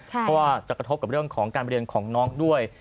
เพราะว่าจะกระทบกับเรื่องของการเรียนของน้องด้วย